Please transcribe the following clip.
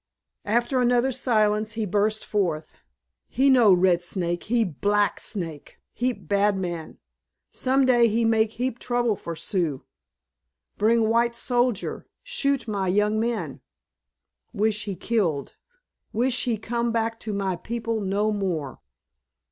After another silence he burst forth: "He no red snake, he black snake. Heap bad man. Some day he make heap trouble for Sioux. Bring white soldier—shoot my young men. Wish he killed—wish he come back to my people no more."